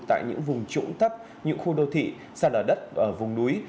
tại những vùng trũng thấp những khu đô thị xa lở đất vùng núi